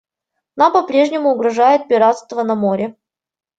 Нам по-прежнему угрожает пиратство на море.